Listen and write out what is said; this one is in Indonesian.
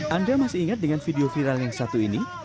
anda masih ingat dengan video viral yang satu ini